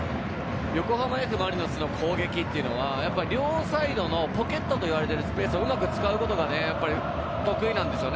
横浜Ｆ・マリノスの攻撃は両サイドのポケットと言われているスペースをうまく使うこと、得意なんですよね。